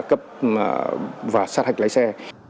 cấp và sát hạch lái xe